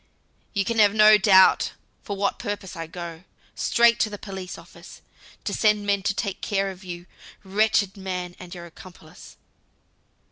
"You can have no doubt for what purpose I go. Straight to the police office, to send men to take care of you, wretched man, and your accomplice.